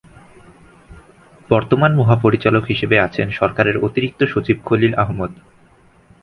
বর্তমান মহাপরিচালক হিসেবে আছেন সরকারের অতিরিক্ত সচিব খলিল আহমদ।